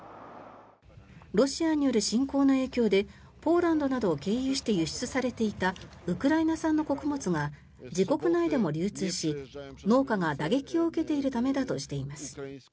ロシアによる侵攻の影響でポーランドなどを経由して輸出されていたウクライナ産の穀物が自国内でも流通し農家が打撃を受けているためだとしています。